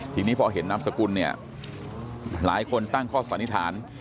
ทีนี้พอเห็นนามสกุลเนี่ยหลายคนตั้งข้อสันนิษฐาน